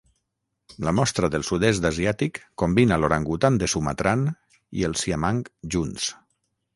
La mostra del sud-est asiàtic combina l'orangutan de Sumatran i el siamang junts.